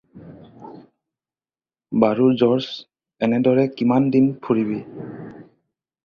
বাৰু জৰ্জ এনেদৰে কিমান দিন ফুৰিবি।